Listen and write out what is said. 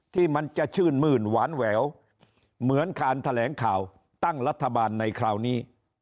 ที่มันจะชื่นมื้นหวานแหววเหมือนการแถลงข่าวตั้งรัฐบาลในคราวนี้